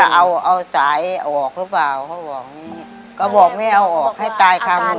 จะเอาเอาสายออกหรือเปล่าเขาบอกนี่ก็บอกไม่เอาออกให้ตายคามนุญาต